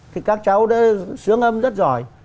thì các cháu đã sướng âm rất giỏi